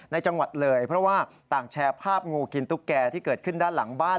จังหวัดเลยเพราะว่าต่างแชร์ภาพงูกินตุ๊กแก่ที่เกิดขึ้นด้านหลังบ้าน